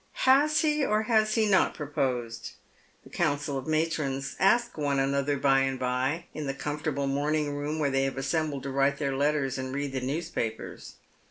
Has he or has he not proposed ? the council of matrons ask one another by andbye in the comfortable morning room where they have assembled to write their letters and read tho newspapers.